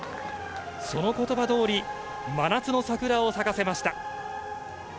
そのことばどおり、真夏の桜を咲かせました。